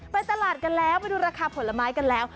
ไปตลาดกันแล้วไปดูราคาผลไม้กันแล้ว